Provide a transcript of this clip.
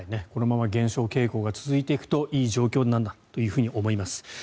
このまま減少傾向が続いていくといい状況なんだと思います。